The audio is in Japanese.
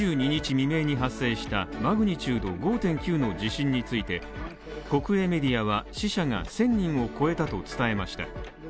未明に発生したマグニチュード５．９の地震について国営メディアは、死者が１０００人を超えたと伝えました。